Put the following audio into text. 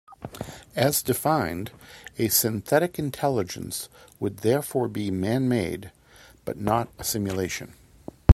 As defined, a "synthetic intelligence" would therefore be man-made, but not a simulation.